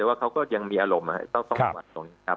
แต่ว่าเขาก็ยังมีอารมณ์ต้องหวัดตรงนี้ครับ